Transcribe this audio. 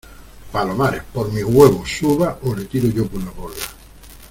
palomares, por mis huevos , suba o le tiro yo por la borda.